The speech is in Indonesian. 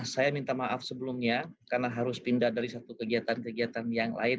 saya minta maaf sebelumnya karena harus pindah dari satu kegiatan kegiatan yang lain